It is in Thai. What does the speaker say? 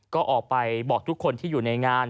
ก็ออกไปบอกทุกคนที่อยู่ในงาน